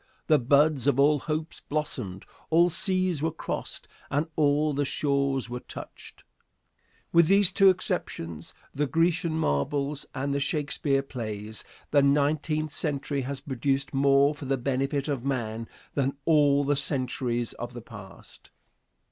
The buds of all hopes blossomed, all seas were crossed and all the shores were touched. With these two exceptions, the Grecian marbles and the Shakespeare plays, the nineteenth century has produced more for the benefit of man than all the centuries of the past.